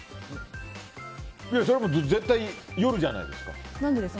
それは絶対夜じゃないですか。